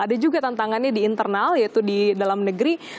ada juga tantangannya di internal yaitu di dalam negeri